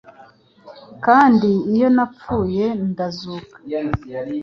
Kandi iyo napfuye ndazuka